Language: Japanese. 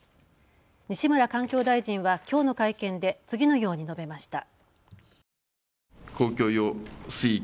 西村環境大臣はきょうの会見で次のように述べました。